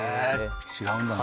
違うんだね。